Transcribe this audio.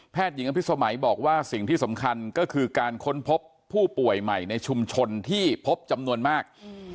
หญิงอภิษมัยบอกว่าสิ่งที่สำคัญก็คือการค้นพบผู้ป่วยใหม่ในชุมชนที่พบจำนวนมาก